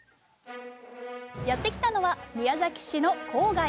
やって来たのは宮崎市の郊外。